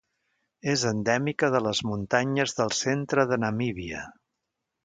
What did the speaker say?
És endèmica de les muntanyes del centre de Namíbia.